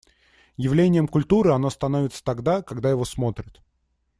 Явлением культуры оно становится тогда, когда его смотрят.